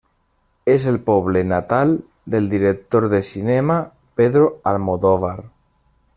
És el poble natal del director de cinema Pedro Almodóvar.